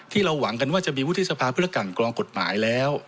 เราหวังกันว่าจะมีวุฒิสภาเพื่อกันกรองกฎหมายแล้ว